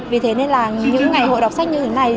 vì thế nên là những ngày hội đọc sách như thế này